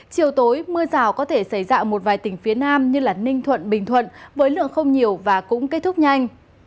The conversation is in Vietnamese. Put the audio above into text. chiều tối mưa rào có thể xảy ra ở một vài tỉnh phía nam như ninh thuận bình thuận với lượng không nhiều và cũng kết thúc nhanh